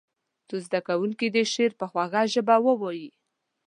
څو زده کوونکي دې شعر په خوږه ژبه ووایي.